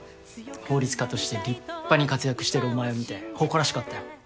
法律家として立派に活躍してるお前を見て誇らしかったよ。